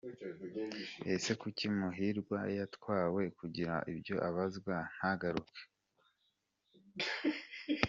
Ese kuki Muhirwa yatwawe kugira ibyo abazwa ntagaruke?